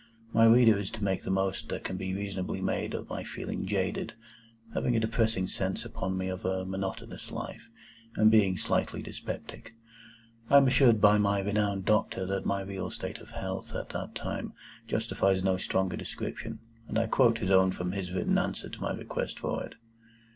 My reader is to make the most that can be reasonably made of my feeling jaded, having a depressing sense upon me of a monotonous life, and being "slightly dyspeptic." I am assured by my renowned doctor that my real state of health at that time justifies no stronger description, and I quote his own from his written answer to my request for it.